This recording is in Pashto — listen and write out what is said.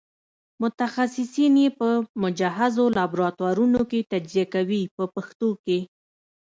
متخصصین یې په مجهزو لابراتوارونو کې تجزیه کوي په پښتو کې.